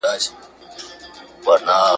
بس پر نورو یې کوله تهمتونه ,